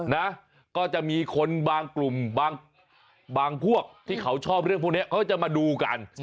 นะก็จะมีคนบางกลุ่มบางพวกที่เขาชอบเรื่องพวกนี้เขาจะมาดูกัน